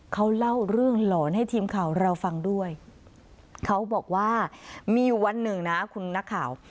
เขาเล่าเรื่องหลอนให้ทีมข่าวเราฟังด้วยเขาบอกว่ามีวันหนึ่งนะคุณนักข่าว